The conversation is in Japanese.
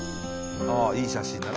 いい写真だな